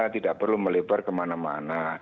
tidak perlu melebar kemana mana